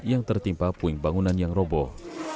yang tertimpa puing bangunan yang roboh